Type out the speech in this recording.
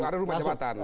tidak ada rumah jabatan